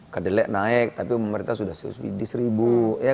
kedelek naik tapi pemerintah sudah di seribu